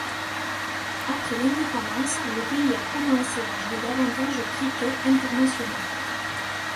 Après l’indépendance, le pays a commencé à jouer davantage au cricket international.